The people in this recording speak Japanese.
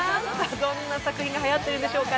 どんな作品がはやっているんでしょうか。